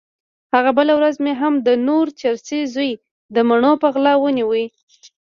هغه بله ورځ مې هم د نور چرسي زوی د مڼو په غلا ونيو.